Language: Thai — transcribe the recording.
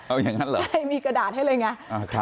เอาอย่างนั้นเหรอครับขอบคุณครับใช่มีกระดาษให้เลยไง